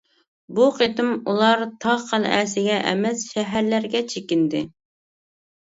بۇ قېتىم ئۇلار تاغ قەلئەسىگە ئەمەس، شەھەرلەرگە چېكىندى.